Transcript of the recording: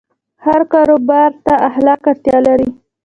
هر کاروبار ته اخلاق اړتیا لري.